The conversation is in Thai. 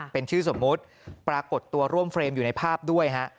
เป็นชื่อสมมุติปรากฏตัวร่วมเฟรมอยู่ในภาพด้วยฮะ